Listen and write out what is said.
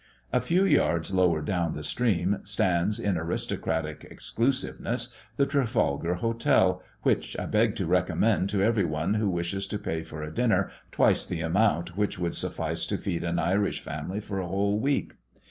A few yards lower down the stream stands, in aristocratic exclusiveness, the Trafalgar Hotel, which I beg to recommend to every one who wishes to pay for a dinner twice the amount which would suffice to feed an Irish family for a whole week.